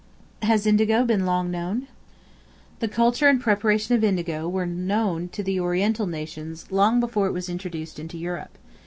Has Indigo been long known? The culture and preparation of indigo were known to the Oriental nations long before it was introduced into Europe.